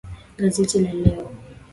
Gazeti la leo.